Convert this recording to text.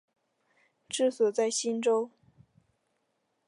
治所在梓州。